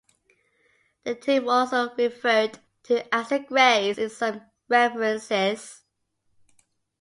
The team was also referred to as the "Grays" in some references.